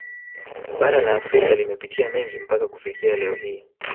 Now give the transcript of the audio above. Bara la Afrika limepitia mengi mpaka kufikia leo hii